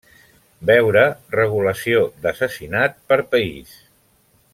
Veure regulació d'assassinat per País.